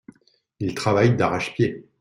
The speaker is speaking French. Il travaille d’arrache-pied.